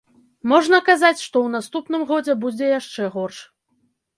Можна казаць, што ў наступным годзе будзе яшчэ горш.